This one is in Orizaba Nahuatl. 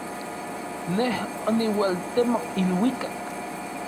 Nej oniualtemok iluikak.